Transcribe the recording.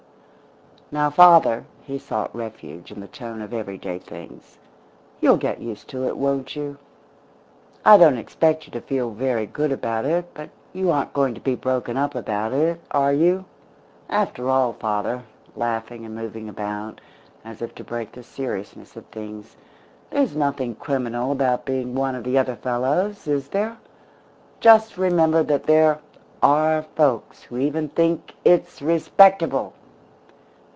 Now, father," he sought refuge in the tone of every day things, "you'll get used to it won't you? I don't expect you to feel very good about it, but you aren't going to be broken up about it are you? After all, father," laughing and moving about as if to break the seriousness of things, "there's nothing criminal about being one of the other fellows is there? Just remember that there are folks who even think it's respectable!"